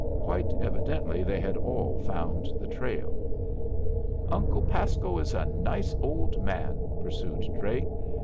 Quite evidently they had all found the trail. "Uncle Pasco is a nice old man!" pursued Drake.